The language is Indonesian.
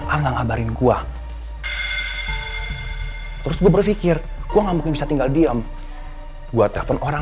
alang ngabarin gua terus berpikir gua nggak mungkin bisa tinggal diam gua telepon orang